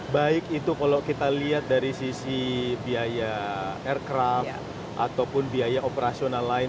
baik itu kalau kita lihat dari sisi biaya aircraft ataupun biaya operasional lain